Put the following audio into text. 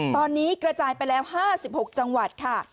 ตอนนี้กระจายไปแล้ว๕๖จังหวัดค่ะ